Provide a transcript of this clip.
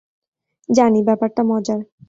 জানি, ব্যাপারটা মজার।